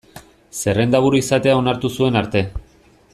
Zerrendaburu izatea onartu zuen arte.